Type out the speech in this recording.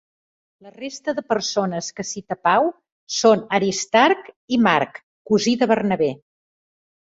La resta de persones que cita Pau són Aristarc i Marc, cosí de Bernabé.